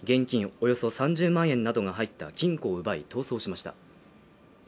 およそ３０万円などが入った金庫を奪い逃走しました。